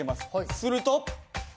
すると。